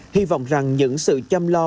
hy vọng rằng những sự chăm lo